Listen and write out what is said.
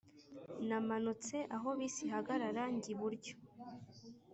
namanutse aho bisi ihagarara njya iburyo.